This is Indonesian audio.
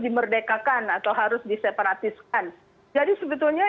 dimerdekakan atau harus diseparatiskan jadi sebetulnya